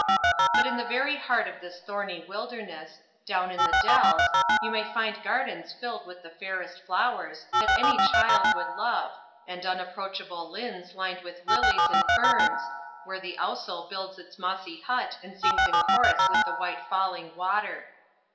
But in the very heart of this thorny wilderness, down in the dells, you may find gardens filled with the fairest flowers, that any child would love, and unapproachable linns lined with lilies and ferns, where the ousel builds its mossy hut and sings in chorus with the white falling water.